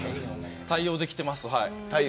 対応できてます。